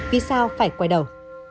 vì sao phải quay đầu